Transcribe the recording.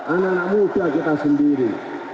anak anak muda kita sendiri